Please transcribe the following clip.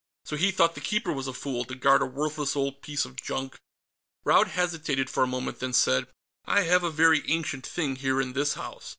So he thought the Keeper was a fool, to guard a worthless old piece of junk. Raud hesitated for a moment, then said: "I have a very ancient thing, here in this house.